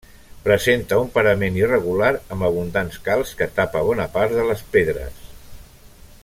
Presenta un parament irregular, amb abundant calç que tapa bona part de les pedres.